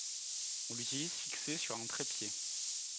On l'utilise fixé sur un trépied.